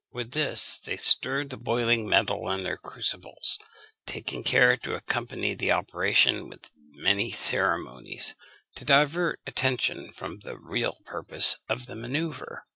With this they stirred the boiling metal in their crucibles, taking care to accompany the operation with many ceremonies, to divert attention from the real purpose of the manoeuvre.